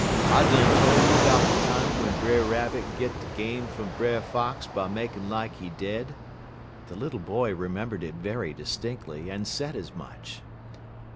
I done tole you 'bout de time w'en Brer Rabbit git de game fum Brer Fox by makin' like he dead?" The little boy remembered it very distinctly, and said as much.